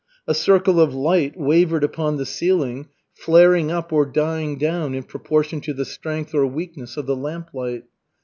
A circle of light wavered upon the ceiling, flaring up or dying down in proportion to the strength or weakness of the lamplight.